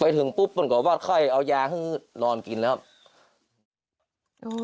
ไปถึงปุ๊บมันก็บอกว่าไข่เอายาขึ้นรอดกินแล้วครับ